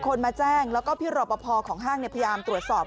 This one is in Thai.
คนมาแจ้งแล้วก็พี่รอปภของห้างพยายามตรวจสอบ